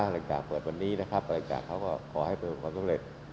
ประหลังจากเปิดวันนี้นะครับประหลังจากเขาก็ขอให้เปิดเป็นความสำเร็จ